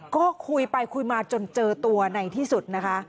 ก็คุยไปคุยมาจนเจอตัวในที่สุดนะคะ